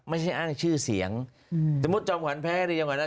ไม่ใช่อ้างชื่อเสียงอืมสมมุติจอมขวัญแพ้หรือจอมขวัญอ่ะ